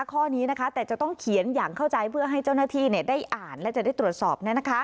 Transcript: ข้อนี้นะคะแต่จะต้องเขียนอย่างเข้าใจเพื่อให้เจ้าหน้าที่ได้อ่านและจะได้ตรวจสอบ